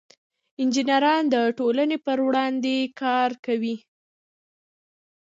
انجینران د ټولنې په وړاندې کار کوي.